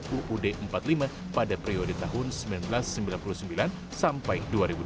uud empat puluh lima pada periode tahun seribu sembilan ratus sembilan puluh sembilan sampai dua ribu dua